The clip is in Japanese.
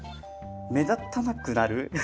目立たなくなる？